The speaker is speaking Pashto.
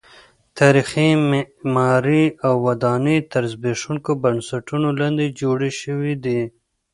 تاریخي معمارۍ او ودانۍ تر زبېښونکو بنسټونو لاندې جوړې شوې دي.